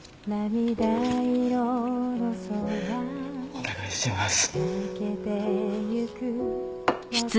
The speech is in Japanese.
お願いします。